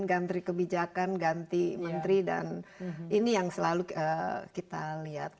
ganti kebijakan ganti menteri dan ini yang selalu kita lihat